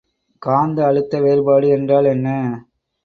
காந்த அழுத்த வேறுபாடு என்றால் என்ன?